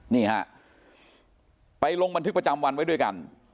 นี่ฮะไปลงบันทึกประจำวันไว้ด้วยกัน